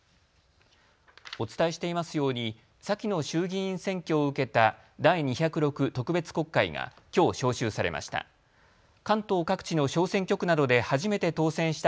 お伝えしていますように先の衆議院選挙を受けた第２０６特別国会がきょう召集されました。